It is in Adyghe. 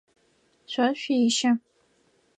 Шъо шъуещэ.